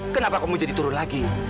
kenapa kamu jadi turun lagi